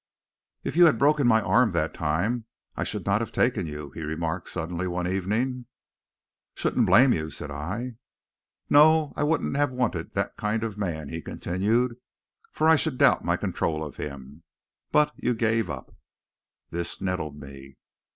"If you had broken my arm that time, I should not have taken you," he remarked suddenly one evening. "Shouldn't blame you," said I. "No! I wouldn't have wanted that kind of a man," he continued, "for I should doubt my control of him. But you gave up." This nettled me.